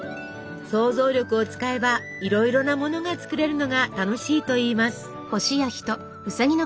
想像力を使えばいろいろなものが作れるのが楽しいといいます。